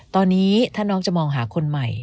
ตอนนี้ถ้าน้องจะมองหาคนใหม่